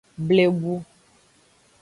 Blebu.